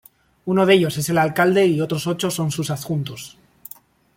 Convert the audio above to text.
Uno de ellos es el alcalde y otros ocho son sus adjuntos.